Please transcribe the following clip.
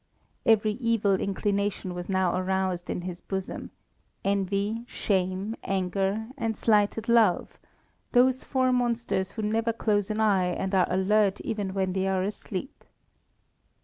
Every evil inclination was now aroused in his bosom: envy, shame, anger, and slighted love those four monsters who never close an eye and are alert even when they are asleep.